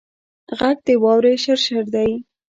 غږ د واورې شرشر دی